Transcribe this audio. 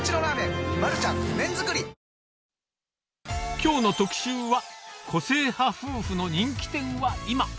きょうの特集は、個性派夫婦の人気店は今。